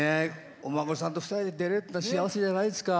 お孫さんと出れるって幸せじゃないですか。